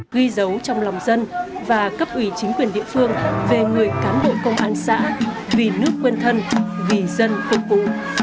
ghi dấu trong lòng dân và cấp ủy chính quyền địa phương về người cán bộ công an xã vì nước quân thân vì dân tổng cụ